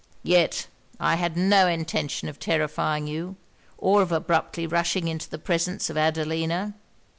'Yet I had no intention of terrifying you, or of abruptly rushing into the presence of Adelina.